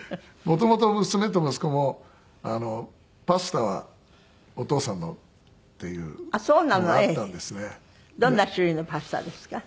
元々娘と息子もパスタはお父さんのっていうのがあったんですね。